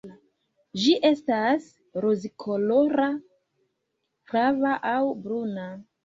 Ĝi estas rozkolora, flava aŭ bruna.